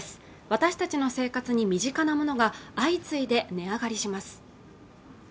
私たちの生活に身近なものが相次いで値上がりします